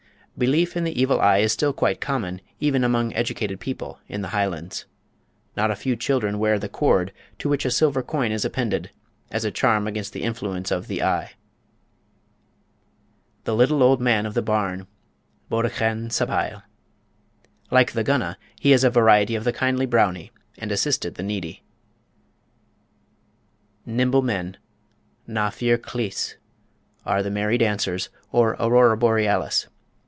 Belief in the Evil Eye is still quite common, even among educated people, in the Highlands. Not a few children wear "the cord," to which a silver coin is appended, as a charm against the influence of "the eye." The Little Old Man of the Barn (Bodachan Sabhaill). Like the Gunna, he is a variety the kindly Brownie, and assisted the needy. Nimble Men (Na Fir Chlis) are "The Merry Dancers," or Aurora Borealis.